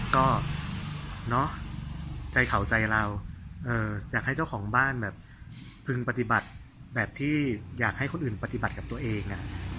ก็ใจเขาใจเราอยากให้เจ้าของบ้านแบบพึงปฏิบัติแบบที่อยากให้คนอื่นปฏิบัติกับตัวเอง